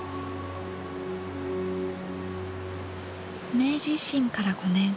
明治維新から５年。